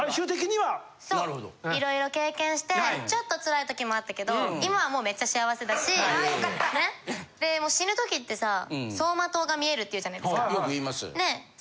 色々経験してちょっとつらいときもあったけど今はもうめっちゃ幸せだし。ね？で死ぬときってさ走馬灯が見えるっていうじゃないですか？